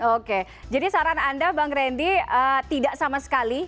oke jadi saran anda bang randy tidak sama sekali